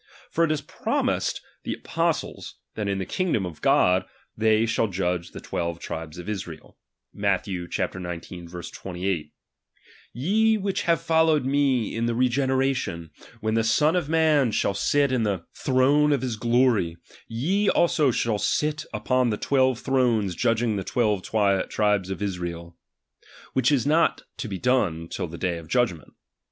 For it is promised the apostles, that in the kingdom of God they shall judge the twelve tribes of Israel, (Matth. six. 28) : Ye which hare followed me in the regeneration, when the Son of man shall sit in the A 256 RELIGION. ir. throne of his glory, ye also shall sit upon twelve ' thrones judging the twelve tribes of Israel : which >J is not to be done till the day of judgment.